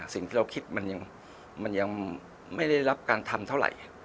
สิ่งที่เราคิดมันยังไม่ได้รับการทำเท่าไหร่